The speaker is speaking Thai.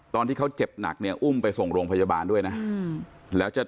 ตอนที่เขาเจ็บหนักเนี่ยอุ้มไปส่งโรงพยาบาลด้วยนะแล้วจะ